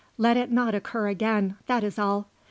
Let it not occur again, that is all.